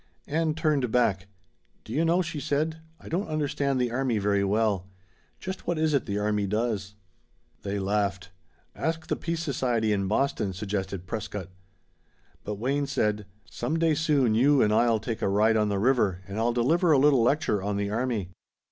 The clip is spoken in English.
Ann turned back. "Do you know," she said, "I don't understand the army very well. Just what is it the army does?" They laughed. "Ask the peace society in Boston," suggested Prescott. But Wayne said: "Some day soon you and I'll take a ride on the river and I'll deliver a little lecture on the army."